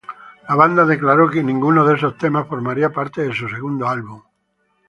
La banda declaró que ninguno de esos temas formaría parte de su segundo álbum.